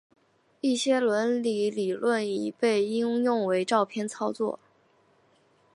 一些伦理理论已被应用于照片操作。